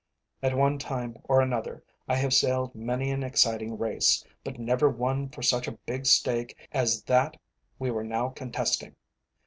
At one time and another I have sailed many an exciting race, but never one for such a big stake as that we were now contesting.